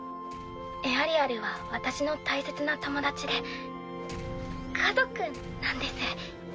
エアリアルは私の大切な友達で家族なんです。